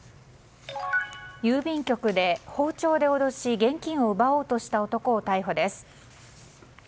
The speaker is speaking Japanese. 郵便局で包丁で脅し現金を奪おうとした男を逮捕です。